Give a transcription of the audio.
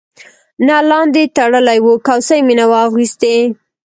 نه لاندې تړلی و، کوسۍ مې نه وه اغوستې.